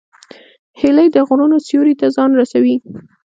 هیلۍ د غرونو سیوري ته ځان رسوي